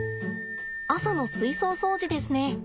朝の水槽掃除ですね。